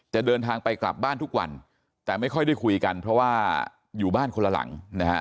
เดินทางไปกลับบ้านทุกวันแต่ไม่ค่อยได้คุยกันเพราะว่าอยู่บ้านคนละหลังนะฮะ